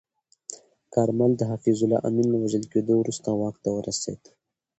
کارمل د حفیظالله امین له وژل کېدو وروسته واک ته ورسید.